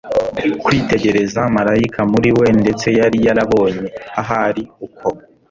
kwitegereza marayika muri we ndetse yari yarabonye, ahari, uko